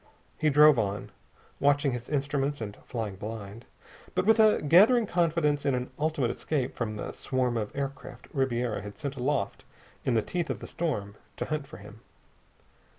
He drove on, watching his instruments and flying blind, but with a gathering confidence in an ultimate escape from the swarm of aircraft Ribiera had sent aloft in the teeth of the storm to hunt for him.